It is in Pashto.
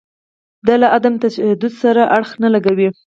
دا له عدم تشدد سره اړخ نه لګوي.